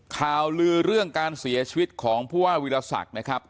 ข่าวลือเรื่องการเสียชีวิตของผู้ว่าวิรสักนะครับ